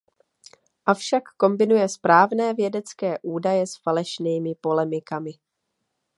Avšak kombinuje správné vědecké údaje s falešnými polemikami.